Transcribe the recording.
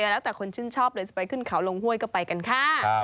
แล้วแต่คนชื่นชอบเลยจะไปขึ้นเขาลงห้วยก็ไปกันค่ะ